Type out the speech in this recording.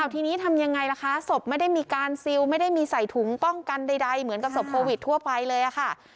ทีนี้ทำยังไงล่ะคะศพไม่ได้มีการซิลไม่ได้มีใส่ถุงป้องกันใดเหมือนกับศพโควิดทั่วไปเลยค่ะ